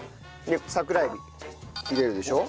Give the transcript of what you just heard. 桜えび入れるでしょ。